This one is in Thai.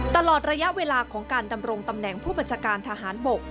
ตลอดระยะเวลาของการดำรงตำแหน่งผู้บัญชาการทหารบก